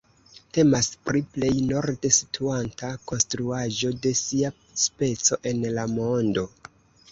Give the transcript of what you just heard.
Temas pri plej norde situanta konstruaĵo de sia speco en la mondo.